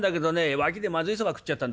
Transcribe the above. ワキでまずいそば食っちゃったんだ。